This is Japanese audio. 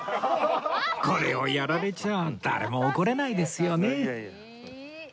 これをやられちゃ誰も怒れないですよね